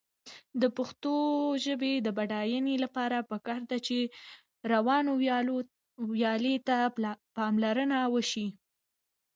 د پښتو ژبې د بډاینې لپاره پکار ده چې روانوالي ته پاملرنه وشي.